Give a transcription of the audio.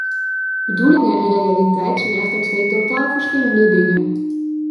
Bedoelingen en realiteit zijn echter twee totaal verschillende dingen.